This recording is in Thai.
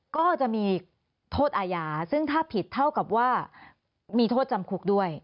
ก็จะมีโทษอาญาซึ่งถ้าผิดเท่ากับว่ามีโทษจำคุกด้วย